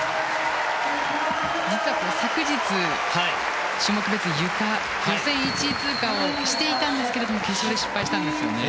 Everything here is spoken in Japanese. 実は昨日、種目別決勝は予選１位通過していたんですが決勝で失敗をしたんですよね。